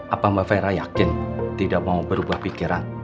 apa mbak fera yakin tidak mau berubah pikiran